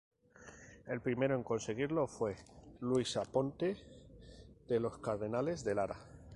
El primero en conseguirlo fue Luis Aponte de los Cardenales de Lara.